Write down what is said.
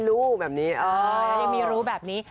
โดนัทยังมีรู้แบบนี้